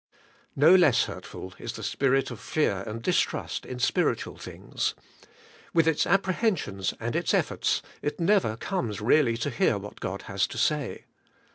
No less hurtful is the spirit of fear and distrust in spiritual things; with its apprehensions and its efEorts, it never comes really to hear what God has to say.